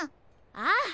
ああ。